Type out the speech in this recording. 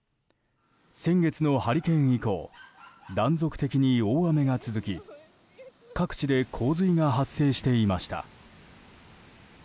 先月のハリケーン以降断続的に大雨が続き各地で洪水が発生していました。